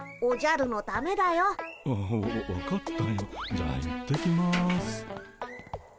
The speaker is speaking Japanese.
じゃあ行ってきます。